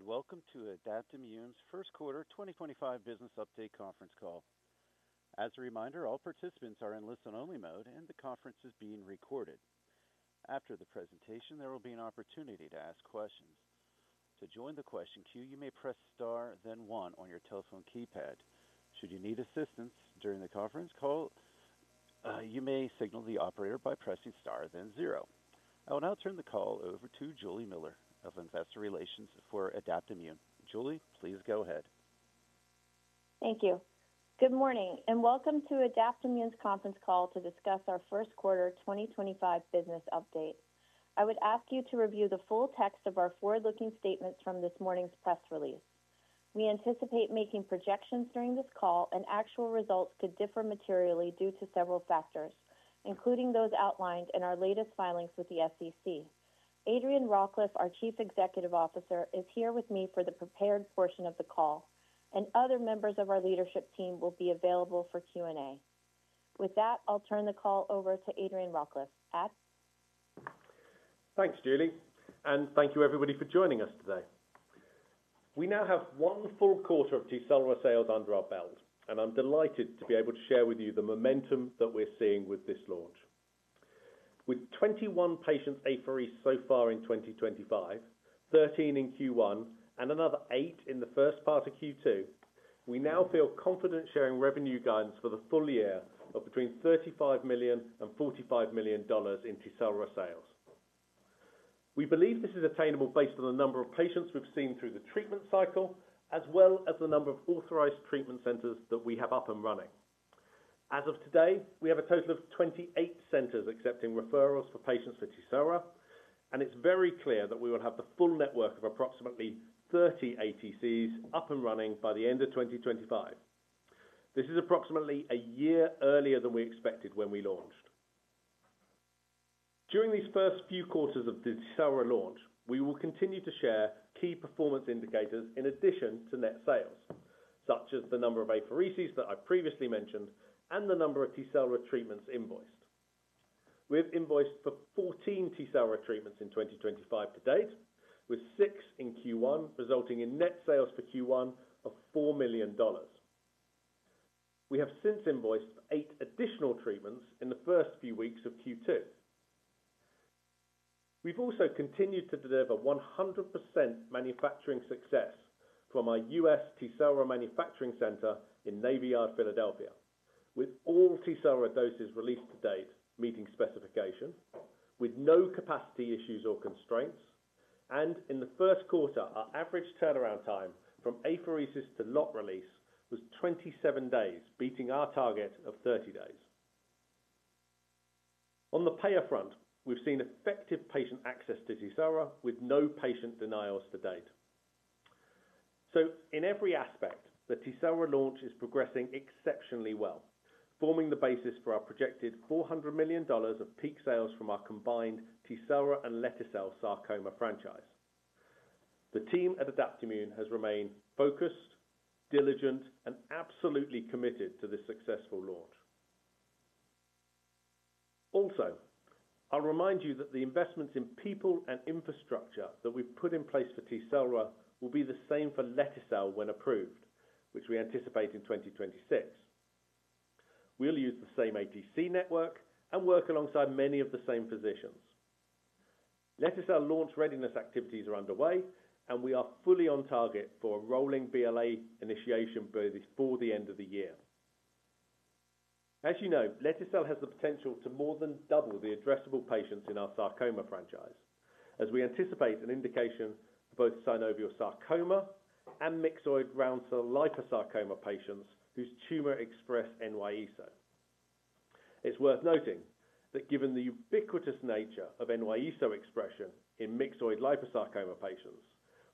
And welcome to Adaptimmune's First Quarter 2025 Business Update Conference Call. As a reminder, all participants are in listen-only mode, and the conference is being recorded. After the presentation, there will be an opportunity to ask questions. To join the question queue, you may press star, then one on your telephone keypad. Should you need assistance during the conference call, you may signal the operator by pressing star, then zero. I will now turn the call over to Juli Miller of Investor Relations for Adaptimmune. Juli, please go ahead. Thank you. Good morning, and welcome to Adaptimmune's conference call to discuss our First Quarter 2025 Business Update. I would ask you to review the full text of our forward-looking statements from this morning's press release. We anticipate making projections during this call, and actual results could differ materially due to several factors, including those outlined in our latest filings with the SEC. Adrian Rawcliffe, our Chief Executive Officer, is here with me for the prepared portion of the call, and other members of our leadership team will be available for Q&A. With that, I'll turn the call over to Adrian Rawcliffe. Ad. Thanks, Juli, and thank you, everybody, for joining us today. We now have one full quarter of TECELRA sales under our belt, and I'm delighted to be able to share with you the momentum that we're seeing with this launch. With 21 patient apheres so far in 2025, 13 in Q1, and another 8 in the first part of Q2, we now feel confident sharing revenue guidance for the full year of between $35 million-$45 million in TECELRA sales. We believe this is attainable based on the number of patients we've seen through the treatment cycle, as well as the number of authorized treatment centers that we have up and running. As of today, we have a total of 28 centers accepting referrals for patients for TECELRA, and it's very clear that we will have the full network of approximately 30 ATCs up and running by the end of 2025. This is approximately a year earlier than we expected when we launched. During these first few quarters of the TECELRA launch, we will continue to share key performance indicators in addition to net sales, such as the number of aphereses that I previously mentioned and the number of TECELRA treatments invoiced. We have invoiced for 14 TECELRA treatments in 2025 to date, with six in Q1 resulting in net sales for Q1 of $4 million. We have since invoiced for eight additional treatments in the first few weeks of Q2. We've also continued to deliver 100% manufacturing success from our U.S. TECELRA manufacturing center in Navy Yard, Philadelphia, with all TECELRA doses released to date meeting specifications, with no capacity issues or constraints, and in the first quarter, our average turnaround time from apheresis to lot release was 27 days, beating our target of 30 days. On the payer front, we've seen effective patient access to TECELRA with no patient denials to date. So, in every aspect, the TECELRA launch is progressing exceptionally well, forming the basis for our projected $400 million of peak sales from our combined TECELRA and lete-cel sarcoma franchise. The team at Adaptimmune has remained focused, diligent, and absolutely committed to this successful launch. Also, I'll remind you that the investments in people and infrastructure that we've put in place for TECELRA will be the same for lete-cel when approved, which we anticipate in 2026. We'll use the same ATC network and work alongside many of the same physicians. Lete-cel launch readiness activities are underway, and we are fully on target for a rolling BLA initiation by the end of the year. As you know, lete-cel has the potential to more than double the addressable patients in our sarcoma franchise, as we anticipate an indication for both synovial sarcoma and myxoid round cell liposarcoma patients whose tumor express NY-ESO. It's worth noting that given the ubiquitous nature of NY-ESO expression in myxoid liposarcoma patients,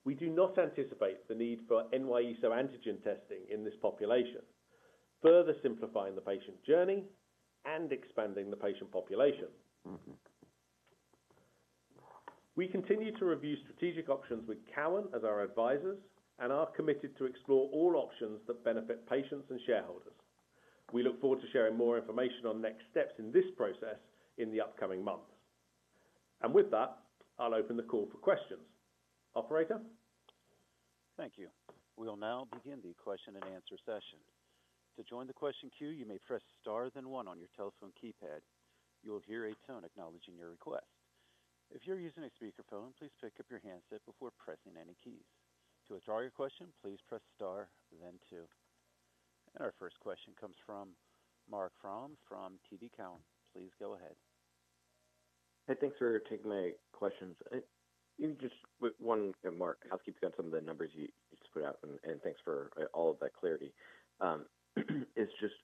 we do not anticipate the need for NY-ESO antigen testing in this population, further simplifying the patient journey and expanding the patient population. We continue to review strategic options with Cowen as our advisors and are committed to explore all options that benefit patients and shareholders. We look forward to sharing more information on next steps in this process in the upcoming months. With that, I'll open the call for questions. Operator. Thank you. We will now begin the question and answer session. To join the question queue, you may press star, then one on your telephone keypad. You will hear a tone acknowledging your request. If you're using a speakerphone, please pick up your handset before pressing any keys. To withdraw your question, please press star, then two. And our first question comes from Marc Frahm from TD Cowen. Please go ahead. Hey, thanks for taking my questions. Just one thing, Marc. I'll keep to some of the numbers you just put out, and thanks for all of that clarity. It's just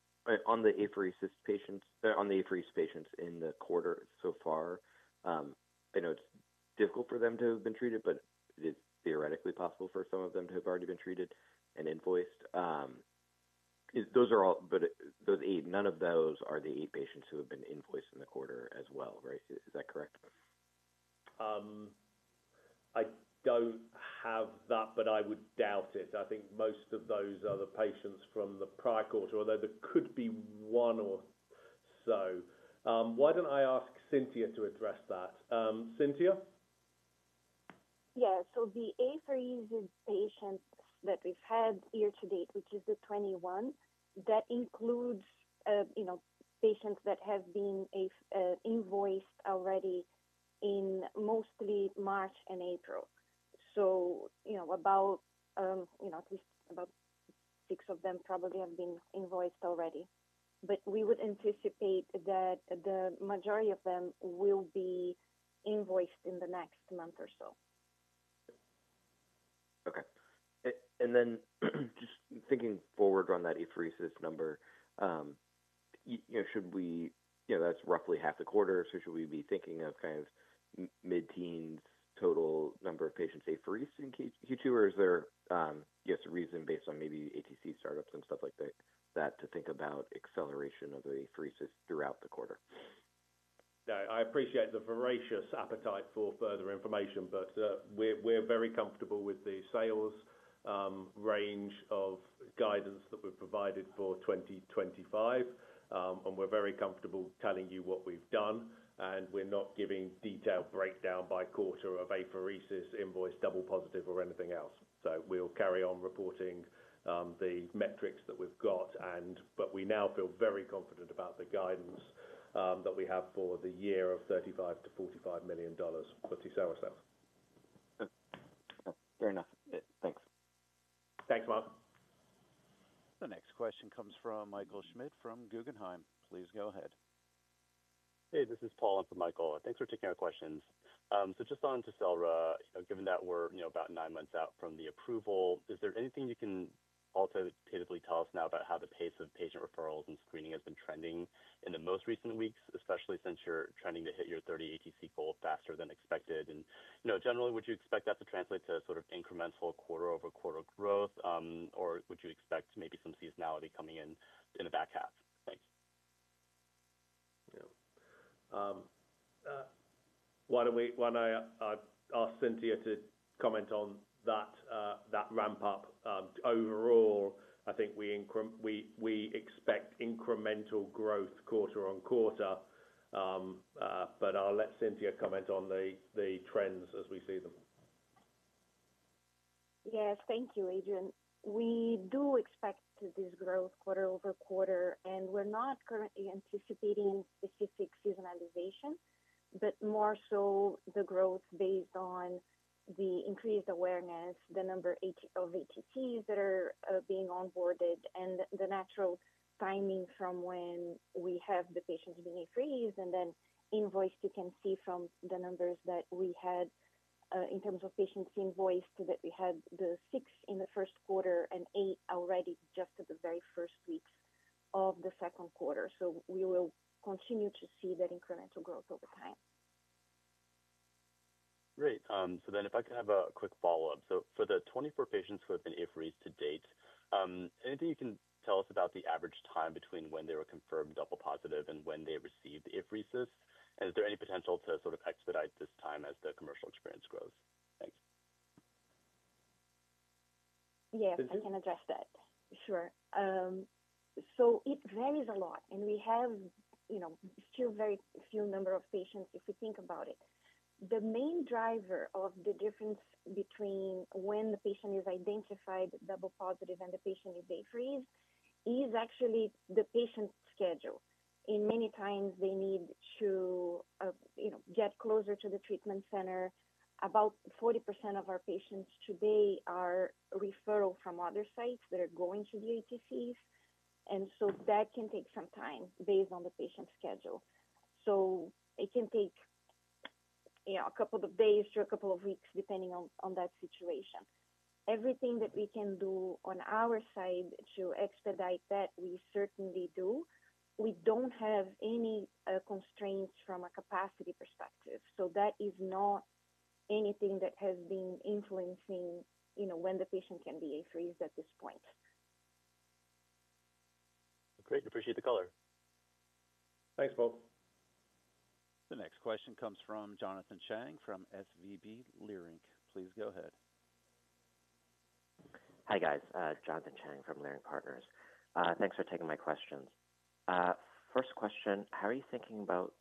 on the apheresis patients, on the apherese patients in the quarter so far, I know it's difficult for them to have been treated, but it is theoretically possible for some of them to have already been treated and invoiced. Those are all, but those eight, none of those are the eight patients who have been invoiced in the quarter as well, right? Is that correct? I don't have that, but I would doubt it. I think most of those are the patients from the prior quarter, although there could be one or so. Why don't I ask Cintia to address that? Cintia? Yeah, so the apheresis patients that we've had year to date, which is the 21, that includes patients that have been invoiced already in mostly March and April. You know, about, you know, at least about six of them probably have been invoiced already. But we would anticipate that the majority of them will be invoiced in the next month or so. Okay. And then just thinking forward on that apheresis number, you know, should we, you know, that's roughly half a quarter, so should we be thinking of kind of mid-teens total number of patients apheresed in Q2, or is there, you know, some reason based on maybe ATC startups and stuff like that to think about acceleration of apheresis throughout the quarter? I appreciate the voracious appetite for further information, but we're very comfortable with the sales range of guidance that we've provided for 2025, and we're very comfortable telling you what we've done, and we're not giving detailed breakdown by quarter of apheresis, invoice, double positive, or anything else. We'll carry on reporting the metrics that we've got, but we now feel very confident about the guidance that we have for the year of $35 million-$45 million for TECELRA sales. Fair enough. Thanks. Thanks, Marc. The next question comes from Michael Schmidt from Guggenheim. Please go ahead. Hey, this is Paul from Michael. Thanks for taking our questions. So just on TECELRA, given that we're, you know, about nine months out from the approval, is there anything you can alternatively tell us now about how the pace of patient referrals and screening has been trending in the most recent weeks, especially since you're trending to hit your 30 ATC goal faster than expected? And, you know, generally, would you expect that to translate to sort of incremental quarter-over-quarter growth, or would you expect maybe some seasonality coming in in the back half? Thanks. Yeah. Why don't we, why don't I, I'll ask Cintia to comment on that, that ramp up. Overall, I think we expect incremental growth quarter-on-quarter, but I'll let Cintia comment on the trends as we see them. Yes, thank you, Adrian. We do expect this growth quarter over quarter, and we're not currently anticipating specific seasonalization, but more so the growth based on the increased awareness, the number of ATCs that are being onboarded, and the natural timing from when we have the patients being apheresed, and then invoiced, you can see from the numbers that we had in terms of patients invoiced that we had the six in the first quarter and eight already just at the very first weeks of the second quarter. So we will continue to see that incremental growth over time. Great. So then if I can have a quick follow-up. So for the 24 patients who have been apheres to date, anything you can tell us about the average time between when they were confirmed double positive and when they received apheresis? And is there any potential to sort of expedite this time as the commercial experience grows? Thanks. Yeah, I can address that. Sure. So it varies a lot, and we have, you know, still a very few number of patients if we think about it. The main driver of the difference between when the patient is identified double positive and the patient is apheres is actually the patient schedule. And many times they need to, you know, get closer to the treatment center. About 40% of our patients today are referrals from other sites that are going to the ATCs, and so that can take some time based on the patient schedule. So it can take, you know, a couple of days to a couple of weeks depending on that situation. Everything that we can do on our side to expedite that, we certainly do. We don't have any constraints from a capacity perspective. So that is not anything that has been influencing, you know, when the patient can be apheres at this point. Great. Appreciate the color. Thanks, Paul. The next question comes from Jonathan Chang from SVB Leerink. Please go ahead. Hi guys. Jonathan Chang from Leerink Partners. Thanks for taking my questions. First question, how are you thinking about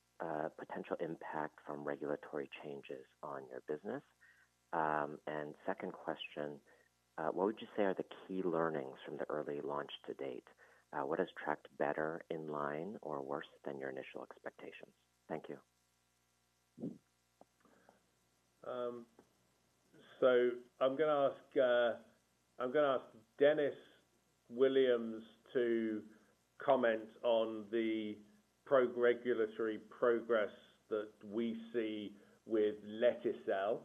potential impact from regulatory changes on your business? And second question, what would you say are the key learnings from the early launch to date? What has tracked better in line or worse than your initial expectations? Thank you. So I'm going to ask, I'm going to ask Dennis Williams to comment on the pro-regulatory progress that we see with lete-cel.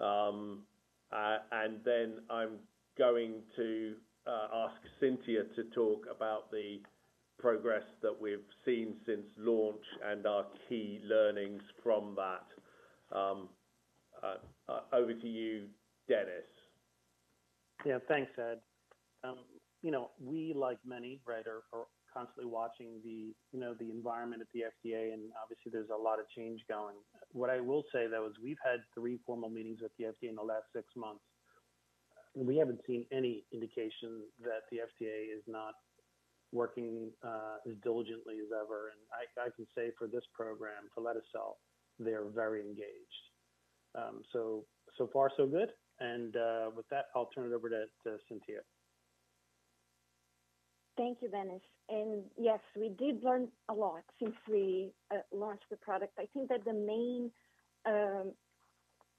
And then I'm going to ask Cintia to talk about the progress that we've seen since launch and our key learnings from that. Over to you, Dennis. Yeah, thanks, TECELRAAd. You know, we, like many, right, are constantly watching the, you know, the environment at the FDA, and obviously there's a lot of change going. What I will say, though, is we've had three formal meetings with the FDA in the last six months, and we haven't seen any indication that the FDA is not working as diligently as ever. And I can say for this program, for lete-cel, they're very engaged. So, so far, so good. And with that, I'll turn it over to Cintia. Thank you, Dennis. And yes, we did learn a lot since we launched the product. I think that the main,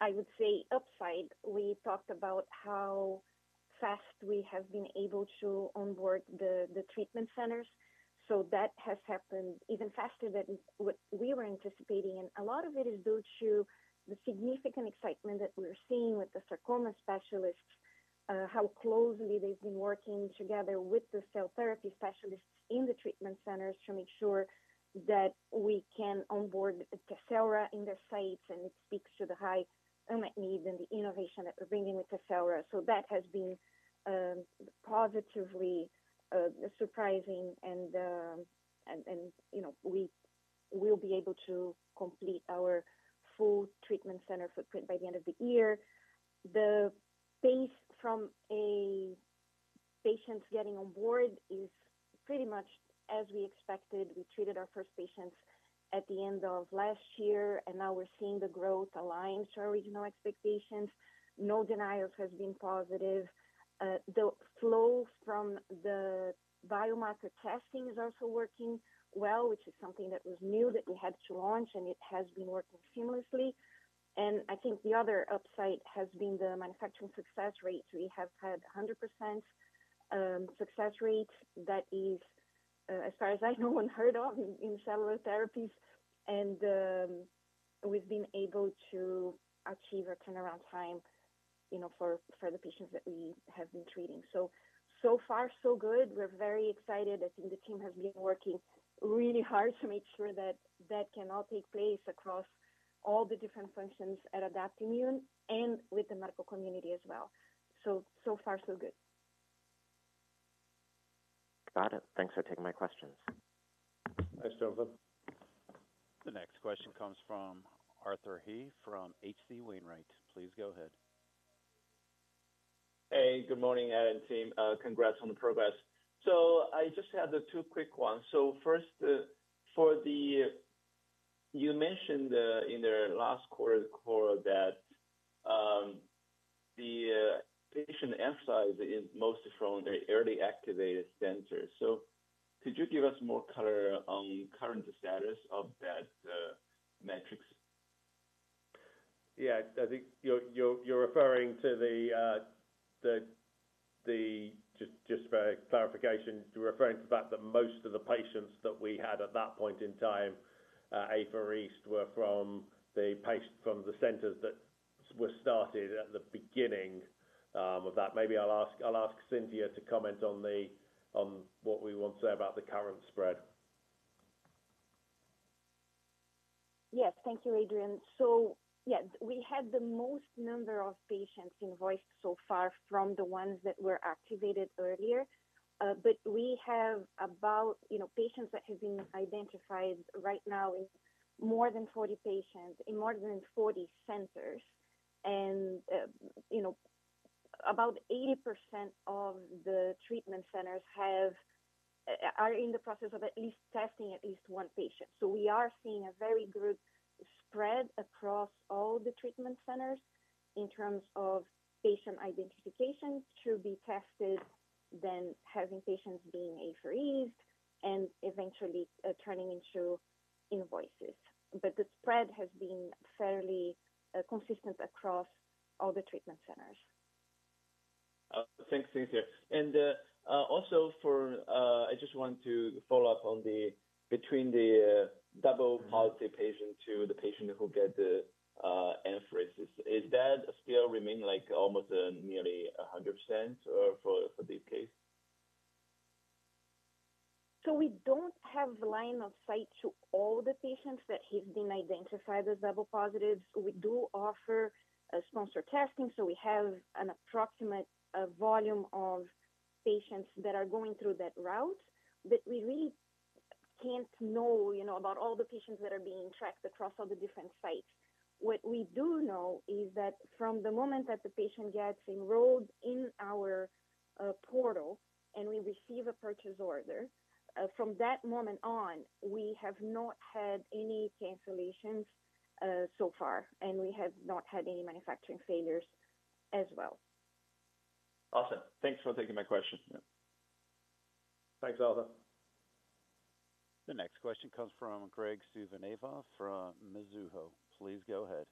I would say, upside, we talked about how fast we have been able to onboard the treatment centers. So that has happened even faster than what we were anticipating. And a lot of it is due to the significant excitement that we're seeing with the sarcoma specialists, how closely they've been working together with the cell therapy specialists in the treatment centers to make sure that we can onboard TECELRA in the sites, and it speaks to the high unmet needs and the innovation that we're bringing with TECELRA. So that has been positively surprising, and, you know, we will be able to complete our full treatment center footprint by the end of the year. The pace from patients getting on board is pretty much as we expected. We treated our first patients at the end of last year, and now we're seeing the growth align to our original expectations. No denials have been positive. The flow from the biomarker testing is also working well, which is something that was new that we had to launch, and it has been working seamlessly. And I think the other upside has been the manufacturing success rate. We have had 100% success rate that is, as far as I know, unheard of in cellular therapies, and we've been able to achieve a turnaround time, you know, for the patients that we have been treating. So, so far, so good. We're very excited. I think the team has been working really hard to make sure that that can all take place across all the different functions at Adaptimmune and with the medical community as well. So, so far, so good. Got it. Thanks for taking my questions. Thanks, Jonathan. The next question comes from Arthur He from H.C. Wainwright. Please go ahead. Hey, good morning, Ad and team. Congrats on the progress. So I just had two quick ones. So first, for the, you mentioned in the last quarter that the patient exercise is mostly from the early activated centers. So could you give us more color on current status of that metrics? Yeah, I think you're referring to the, the, just for clarification, you're referring to the fact that most of the patients that we had at that point in time apheres were from the patients from the centers that were started at the beginning of that. Maybe I'll ask, I'll ask Cintia to comment on the, on what we want to say about the current spread. Yes, thank you, Adrian. So yeah, we had the most number of patients invoiced so far from the ones that were activated earlier, but we have about, you know, patients that have been identified right now in more than 40 patients in more than 40 centers, and, you know, about 80% of the treatment centers have are in the process of at least testing at least one patient. So we are seeing a very good spread across all the treatment centers in terms of patient identification to be tested, then having patients being apheres and eventually turning into invoices. But the spread has been fairly consistent across all the treatment centers. Thanks, Cintia. And also for, I just want to follow up on the, between the double positive patient to the patient who get the apheresis, is that still remain like almost nearly 100% for the case? So we don't have line of sight to all the patients that have been identified as double positives. We do offer sponsored testing, so we have an approximate volume of patients that are going through that route, but we really can't know, you know, about all the patients that are being tracked across all the different sites. What we do know is that from the moment that the patient gets enrolled in our portal and we receive a purchase order, from that moment on, we have not had any cancellations so far, and we have not had any manufacturing failures as well. Awesome. Thanks for taking my question. Yeah. Thanks, Arthur. The next question comes from Graig Suvannavejh from Mizuho. Please go ahead.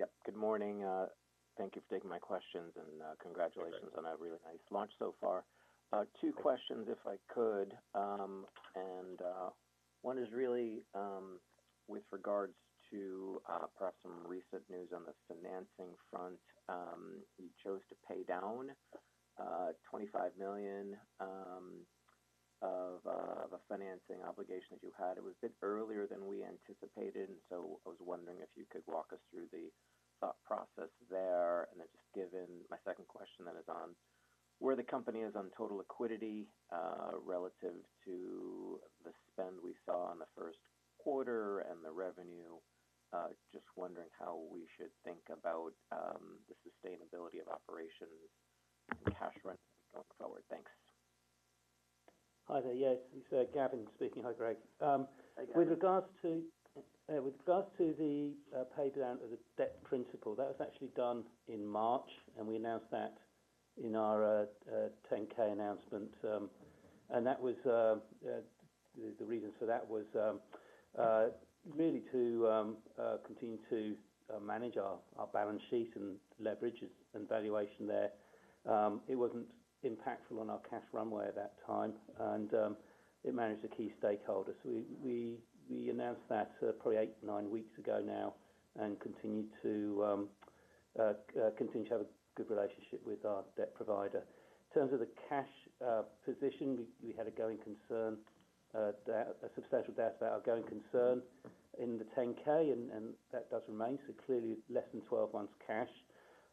Yep. Good morning. Thank you for taking my questions, and congratulations on a really nice launch so far. Two questions, if I could. And one is really with regards to perhaps some recent news on the financing front. You chose to pay down 25 million of a financing obligation that you had. It was a bit earlier than we anticipated, and so I was wondering if you could walk us through the thought process there. And then just given my second question that is on where the company is on total liquidity relative to the spend we saw in the first quarter and the revenue, just wondering how we should think about the sustainability of operation and cash rent going forward. Thanks. Hi, there. Yes, it's Gavin speaking. Hi, Graig. With regards to, with regards to the pay down of the debt principle, that was actually done in March, and we announced that in our 10K announcement. And that was, the reasons for that was really to continue to manage our balance sheets and leverage and valuation there. It wasn't impactful on our cash runway at that time, and it managed the key stakeholders. So we announced that probably eight, nine weeks ago now and continue to continue to have a good relationship with our debt provider. In terms of the cash position, we had a going concern, a substantial debt that our going concern in the 10K, and that does remain. So clearly less than 12 months cash.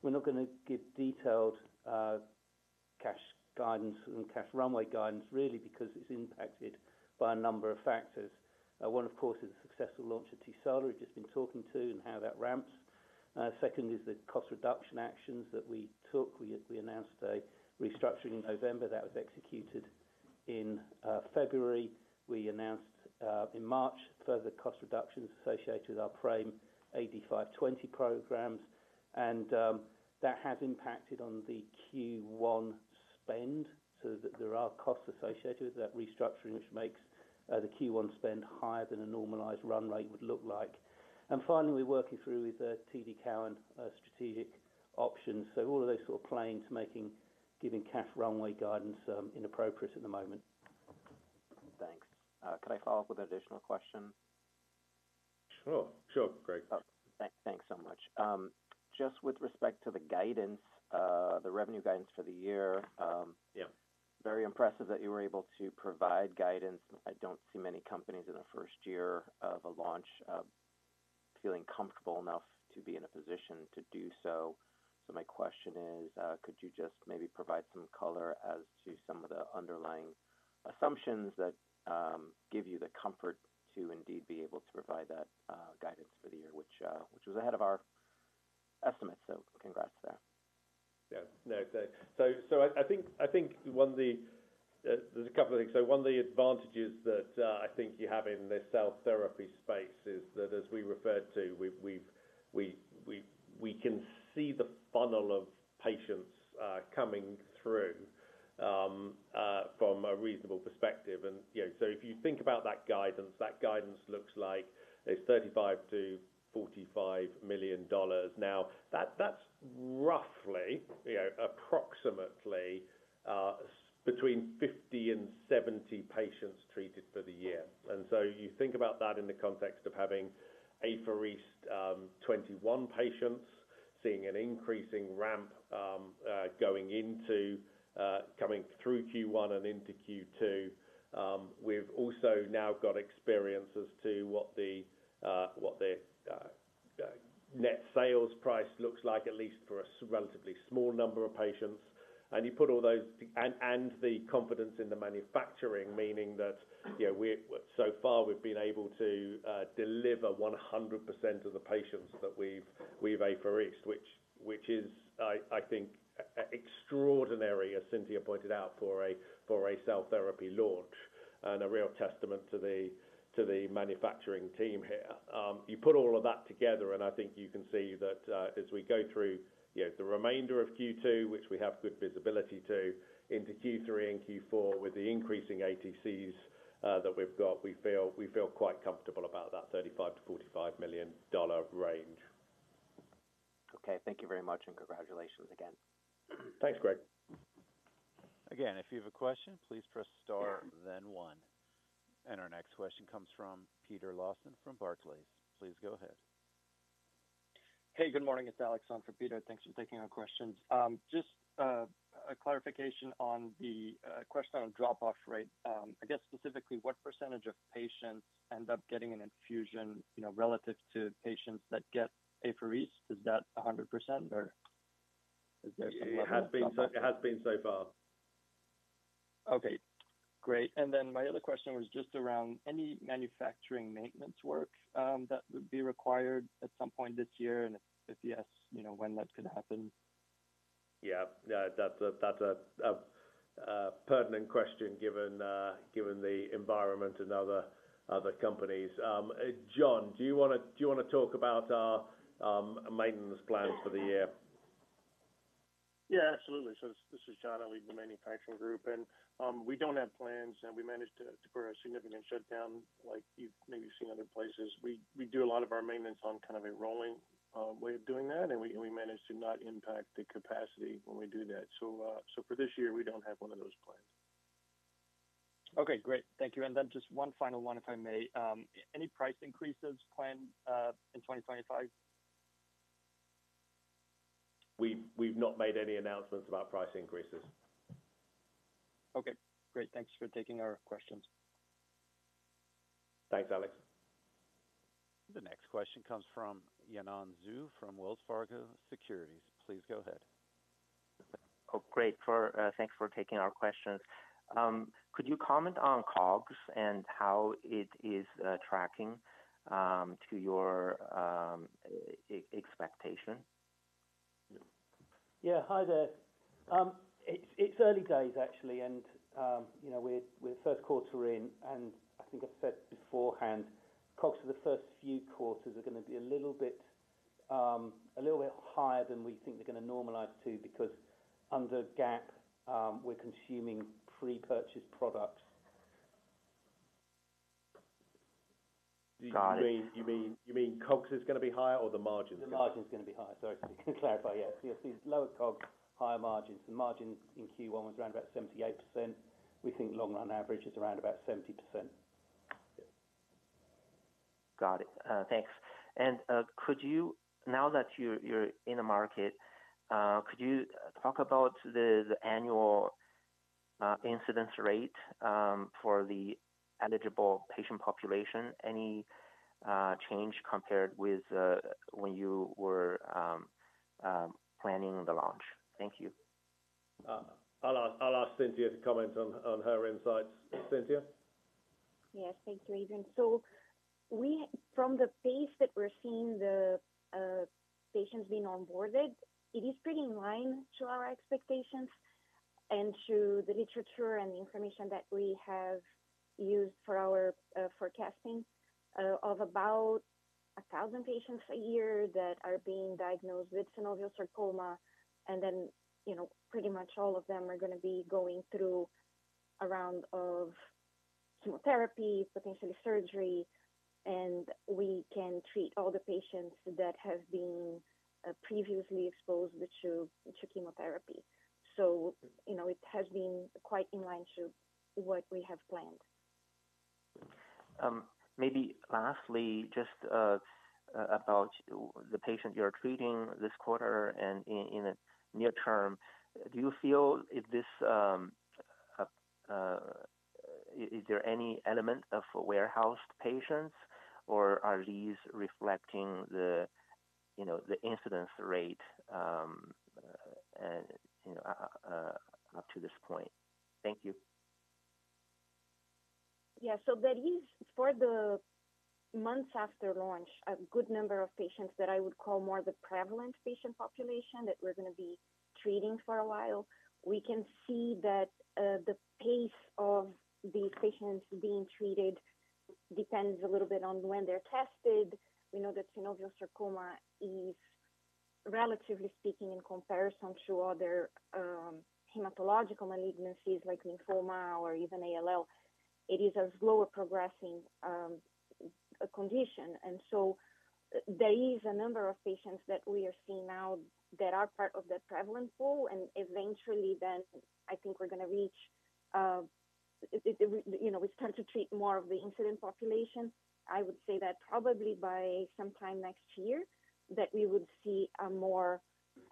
We're not going to give detailed cash guidance and cash runway guidance really because it's impacted by a number of factors. One, of course, is the successful launch of TECELRA we've just been talking to and how that ramps. Second is the cost reduction actions that we took. We announced a restructuring in November that was executed in February. We announced in March further cost reductions associated with our PRAME 8520 programs, and that has impacted on the Q1 spend. So there are costs associated with that restructuring, which makes the Q1 spend higher than a normalized run rate would look like. And finally, we're working through with TD Cowen strategic options. So all of those sort of playing to making giving cash runway guidance inappropriate at the moment. Thanks. Can I follow up with an additional question? Sure. Sure, Graig. Thanks so much. Just with respect to the guidance, the revenue guidance for the year, yeah, very impressive that you were able to provide guidance. I don't see many companies in the first year of a launch feeling comfortable enough to be in a position to do so. So my question is, could you just maybe provide some color as to some of the underlying assumptions that give you the comfort to indeed be able to provide that guidance for the year, which was ahead of our estimates. So congrats there. Yeah. No, no. So I think, I think one of the, there's a couple of things. So one of the advantages that I think you have in this cell therapy space is that as we referred to, we can see the funnel of patients coming through from a reasonable perspective. And yeah, so if you think about that guidance, that guidance looks like it's $35 million-$5 million. Now that's roughly, you know, approximately between 50-70 patients treated for the year. And so you think about that in the context of having apheresed 21 patients, seeing an increasing ramp going into coming through Q1 and into Q2. We've also now got experience as to what the net sales price looks like, at least for a relatively small number of patients. And you put all those and the confidence in the manufacturing, meaning that, you know, so far we've been able to deliver 100% of the patients that we've apheresed, which is, I think, extraordinary, as Cintia pointed out, for a cell therapy launch and a real testament to the manufacturing team here. You put all of that together, and I think you can see that as we go through, you know, the remainder of Q2, which we have good visibility to, into Q3 and Q4 with the increasing ATCs that we've got, we feel quite comfortable about that $35 million-$45 million range. Okay. Thank you very much, and congratulations again. Thanks, Graig. Again, if you have a question, please press star then one. And our next question comes from Peter Lawson from Barclays. Please go ahead. Hey, good morning. It's Alex on for Peter. Thanks for taking our questions. Just a clarification on the question on drop-off rate. I guess specifically what percentage of patients end up getting an infusion, you know, relative to patients that get apherese? Is that 100% or? It has been so far. Okay. Great. And then my other question was just around any manufacturing maintenance work that would be required at some point this year, and if yes, you know, when that could happen? Yeah. That's a pertinent question given the environment and other companies. John, do you want to talk about our maintenance plans for the year? Yeah, absolutely. So this is John. I lead the manufacturing group, and we don't have plans, and we managed to put a significant shutdown like you maybe seen other places. We do a lot of our maintenance on kind of a rolling way of doing that, and we managed to not impact the capacity when we do that. So for this year, we don't have one of those plans. Okay. Great. Thank you. And then just one final one, if I may. Any price increases planned in 2025? We've not made any announcements about price increases. Okay. Great. Thanks for taking our questions. Thanks, Alex. The next question comes from Yanan Zhu from Wells Fargo Securities. Please go ahead. Oh, great. Thanks for taking our questions. Could you comment on COGS and how it is tracking to your expectation? Yeah. Hi there. It's early days, actually, and you know, we're first quarter in, and I think I said beforehand, COGS for the first few quarters are going to be a little bit higher than we think they're going to normalize to because under gap, we're consuming pre-purchased products. Got it. You mean COGS is going to be higher or the margins? The margins are going to be higher. Sorry. Yeah. So you'll see lower COGS, higher margins. The margin in Q1 was around about 78%. We think long run average is around about 70%. Got it. Thanks. And could you, now that you're in the market, could you talk about the annual incidence rate for the eligible patient population? Any change compared with when you were planning the launch? Thank you. I'll ask Cintia to comment on her insights. Cintia? Yes. Thank you, Adrian. So from the pace that we're seeing the patients being onboarded, it is pretty in line to our expectations and to the literature and the information that we have used for our forecasting of about 1,000 patients a year that are being diagnosed with synovial sarcoma. And then, you know, pretty much all of them are going to be going through a round of chemotherapy, potentially surgery, and we can treat all the patients that have been previously exposed to chemotherapy. So, you know, it has been quite in line to what we have planned. Maybe lastly, just about the patient you're treating this quarter and in the near term, do you feel if this, is there any element of warehoused patients, or are these reflecting the, you know, the incidence rate and, you know, up to this point? Thank you. Yeah. So there is, for the months after launch, a good number of patients that I would call more the prevalent patient population that we're going to be treating for a while. We can see that the pace of the patients being treated depends a little bit on when they're tested. We know that synovial sarcoma is, relatively speaking, in comparison to other hematological malignancies like lymphoma or even ALL, it is a slower progressing condition. And so there is a number of patients that we are seeing now that are part of the prevalent pool, and eventually then I think we're going to reach, you know, we start to treat more of the incident population. I would say that probably by sometime next year that we would see a more,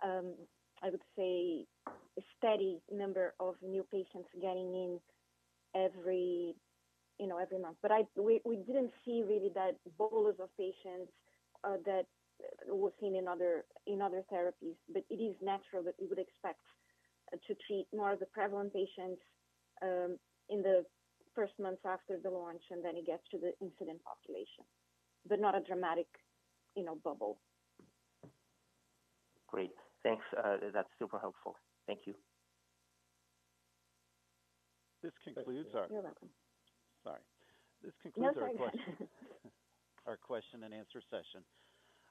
I would say, steady number of new patients getting in every, you know, every month. But we didn't see really that bollards of patients that were seen in other therapies, but it is natural that we would expect to treat more of the prevalent patients in the first months after the launch, and then it gets to the incident population, but not a dramatic, you know, bubble. Great. Thanks. That's super helpful. Thank you. This concludes our. You're welcome. Sorry. This concludes our question and answer session.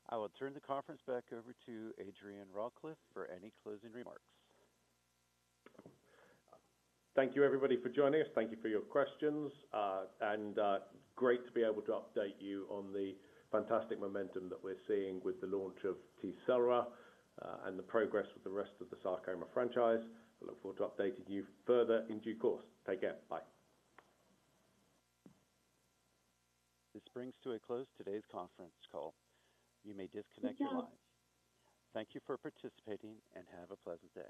I will turn the conference back over to Adrian Rawcliffe for any closing remarks. Thank you, everybody, for joining us. Thank you for your questions. Great to be able to update you on the fantastic momentum that we're seeing with the launch of TECELRA and the progress with the rest of the sarcoma franchise. I look forward to updating you further in due course. Take care. Bye. This brings to a close today's conference call. You may disconnect your lines. Yes. Thank you for participating and have a pleasant day.